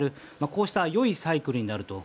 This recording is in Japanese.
こうした良いサイクルになると。